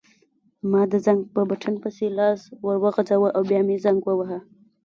ما د زنګ په بټن پسې لاس وروغځاوه او بیا مې زنګ وواهه.